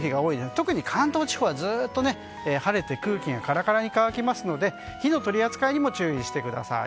特に関東地方はずっと晴れて空気がカラカラに乾くので火の取り扱いにも注意してください。